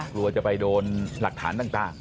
หรือว่าจะไปโดนหลักฐานต่าง